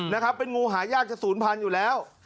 นะครับเป็นงูหายากจะศูนย์พันธุ์อยู่แล้ว